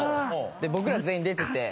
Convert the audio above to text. で僕ら全員出てて。